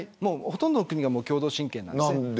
ほとんどの国が共同親権なんですね。